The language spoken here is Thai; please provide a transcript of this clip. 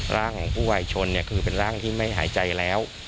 ร่างของผู้วายชนคือเป็นร่างที่ไม่หายใจแล้ว